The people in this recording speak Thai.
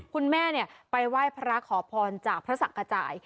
คุณแม่ไปไหว้พระขอพรจากพระศักจ่าย